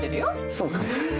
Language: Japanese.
そうかな？